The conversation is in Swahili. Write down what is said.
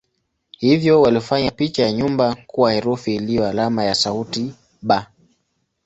Hivyo walifanya picha ya nyumba kuwa herufi iliyo alama ya sauti "b".